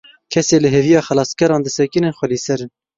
Kesê li hêviya xelaskeran disekinin, xwelîser in.